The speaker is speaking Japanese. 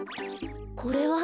これは。